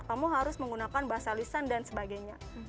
kamu harus menggunakan bahasa lisan dan sebagainya